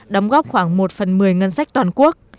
đóng góp khoảng một phần một mươi ngân sách toàn quốc